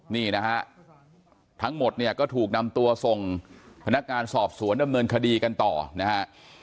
นี่นะฮะทั้งหมดเนี่ยก็ถูกนำตัวส่งพนักงานสอบสวนดำเนินคดีกันต่อนะฮะ